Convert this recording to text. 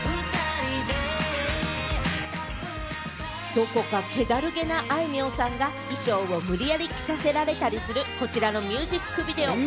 どこか気だるげなあいみょんさんが、衣装を無理やり着せられたりする、こちらのミュージックビデオ。